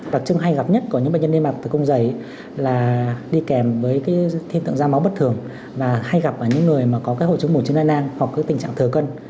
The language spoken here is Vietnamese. đặc trưng hay gặp nhất của những bệnh nhân niêm mạc tử cung dày là đi kèm với cái thiên tượng da máu bất thường và hay gặp ở những người mà có cái hộ trứng mùi chứa nanan hoặc cái tình trạng thừa cân